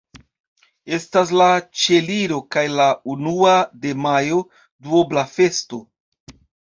Estas la Ĉieliro kaj la unua de majo: duobla festo.